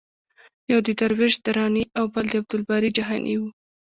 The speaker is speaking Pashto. یو د درویش دراني او بل د عبدالباري جهاني و.